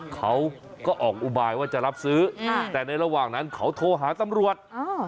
เขาก็ออกอุบายว่าจะรับซื้อแต่ในระหว่างนั้นเขาโทรหาตำรวจ